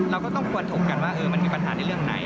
เราก็ต้องควรถกกันว่ามันมีปัญหาในเรื่องไหน